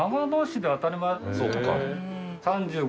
そうか。